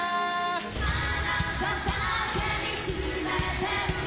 「あなただけ見つめてる」